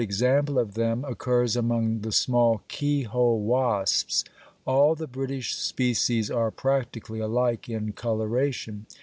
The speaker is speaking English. ] example of them occurs among the small "keyhole" wasps. All the British species are practically alike in coloration.